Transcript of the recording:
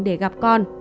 để gặp con